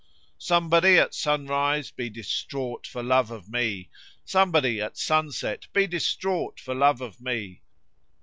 Somebody at sunrise be distraught for love of me Somebody at sunset be distraught for love of me.